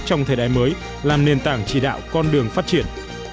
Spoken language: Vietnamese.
trong thời đại mới làm nền tảng chỉ đạo con đường phát triển